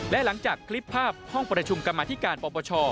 และหลังจากคลิปภาพห้องประชุมกรรมธิการปปช